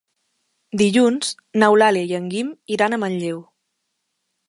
Dilluns n'Eulàlia i en Guim iran a Manlleu.